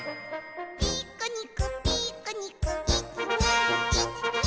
「ピクニックピクニックいちにいちに」